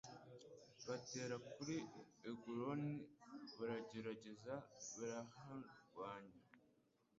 batera kuri Eguloni barahagerereza baraharwanya